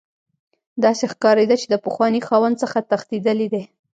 داسې ښکاریده چې د پخواني خاوند څخه تښتیدلی دی